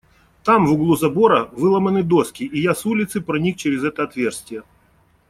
Там, в углу забора, выломаны доски, и я с улицы проник через это отверстие.